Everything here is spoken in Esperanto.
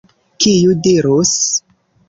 Kiu dirus?